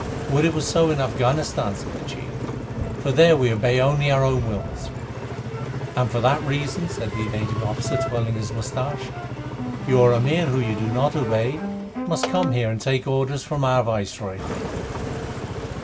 "Would it were so in Afghanistan!" said the chief, "for there we obey only our own wills." "And for that reason," said the native officer, twirling his mustache, "your Amir whom you do not obey must come here and take orders from our Viceroy."